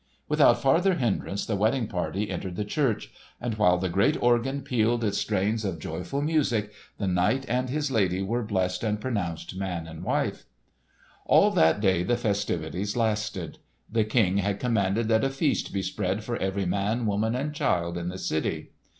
Without farther hindrance the wedding party entered the church; and while the great organ pealed its strains of joyful music the knight and his lady were blessed and pronounced man and wife. All that day the festivities lasted. The King had commanded that a feast be spread for every man, woman and child in the city.